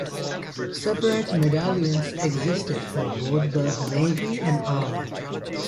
Separate medallions existed for both the Navy and Army.